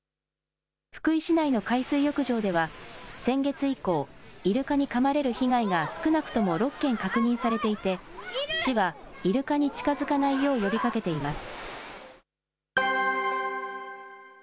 福井市内の海水浴場では、先月以降、イルカにかまれる被害が少なくとも６件確認されていて、市はイルカに近づかないよう呼びかけています。